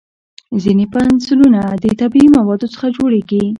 ځینې پنسلونه د طبیعي موادو څخه جوړېږي.